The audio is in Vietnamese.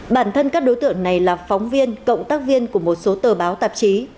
bản thân các đối tượng này là phóng viên cộng tác viên của một số tờ báo tạp chí